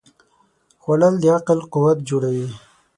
خوړل د عقل قوت جوړوي